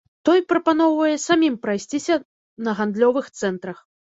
Той прапаноўвае самім прайсціся на гандлёвых цэнтрах.